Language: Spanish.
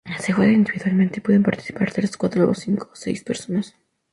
Se juega individualmente y pueden participar tres, cuatro, cinco o seis personas.